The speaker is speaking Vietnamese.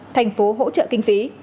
thành phố hỗ trợ kinh phí